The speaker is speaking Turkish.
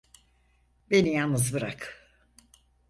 Beni yanlız bırak.